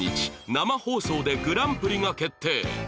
生放送でグランプリが決定